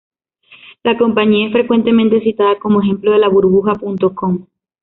La compañía es frecuentemente citada como ejemplo de la burbuja punto com.